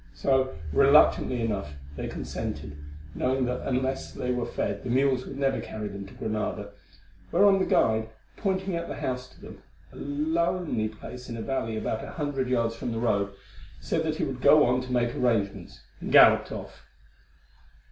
So, reluctantly enough, they consented, knowing that unless they were fed the mules would never carry them to Granada, whereon the guide, pointing out the house to them, a lonely place in a valley about a hundred yards from the road, said that he would go on to make arrangements, and galloped off.